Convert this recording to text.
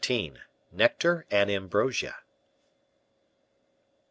Nectar and Ambrosia.